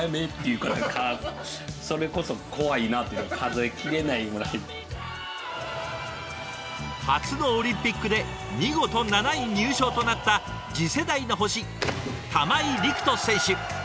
急に現れて初のオリンピックで見事７位入賞となった次世代の星玉井陸斗選手。